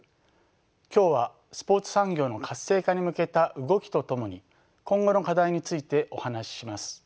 今日はスポーツ産業の活性化に向けた動きとともに今後の課題についてお話しします。